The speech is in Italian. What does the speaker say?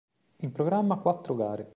In programma quattro gare.